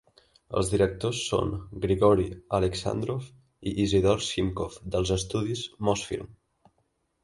Els directors són Grigori Aleksandrov i Isidor Simkov dels estudis Mosfilm.